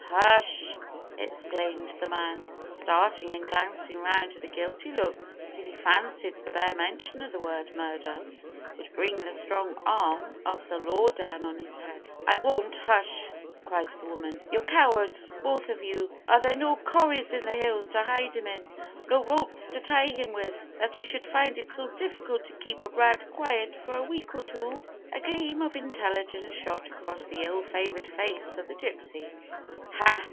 "Hush!" exclaimed the man, starting and glancing round with a guilty look, as if he fancied the bare mention of the word "murder" would bring the strong arm of the law down on his head. "I won't hush!" cried the woman. "You're cowards, both of you. Are there no corries in the hills to hide him in no ropes to tie him with that you should find it so difficult to keep a brat quiet for a week or two?" A gleam of intelligence shot across the ill favoured face of the gypsy. "Ha!